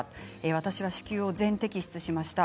私は子宮を全摘出しました。